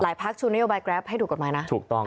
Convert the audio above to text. หลายพักชูในโยบายกราฟให้ถูกกฎหมายนะ